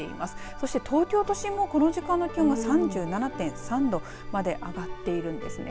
そして東京都心もこの時間の気温が３７．３度まで上がっているんですね。